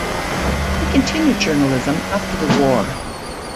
He continued journalism after the war.